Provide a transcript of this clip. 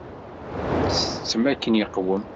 Tsettem akken iqwem?